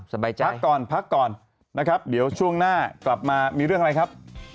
พักก่อนพักก่อนนะครับเดี๋ยวช่วงหน้ากลับมามีเรื่องอะไรครับ